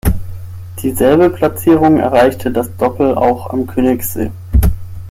Dieselbe Platzierung erreichte das Doppel auch am Königssee.